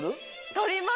とります！